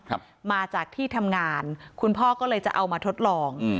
ครับมาจากที่ทำงานคุณพ่อก็เลยจะเอามาทดลองอืม